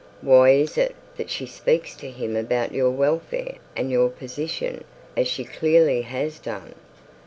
Why is it that she speaks to him of about your welfare and your position, as she clearly has done?